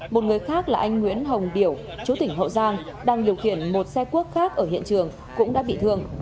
một người khác là anh nguyễn hồng điểu chú tỉnh hậu giang đang điều khiển một xe cuốc khác ở hiện trường cũng đã bị thương